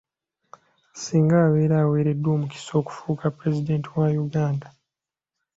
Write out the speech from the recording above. Singa abeera aweereddwa omukisa okufuuka Pulezidenti wa Uganda.